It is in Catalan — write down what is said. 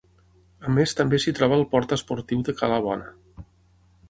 A més també s'hi troba el port esportiu de Cala Bona.